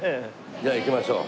じゃあ行きましょう。